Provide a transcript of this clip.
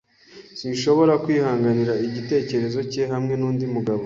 Sinshobora kwihanganira igitekerezo cye hamwe nundi mugabo.